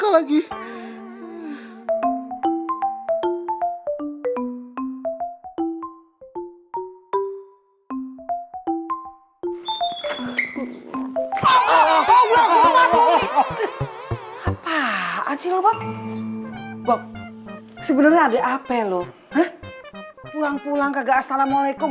apa apaan sih lo bop bop sebenarnya ada hp lu pulang pulang kagak assalamualaikum